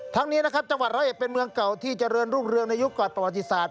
นี้นะครับจังหวัดร้อยเอ็ดเป็นเมืองเก่าที่เจริญรุ่งเรืองในยุคก่อนประวัติศาสต